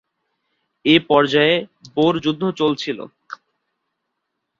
এ পর্যায়ে বোর যুদ্ধ চলছিল।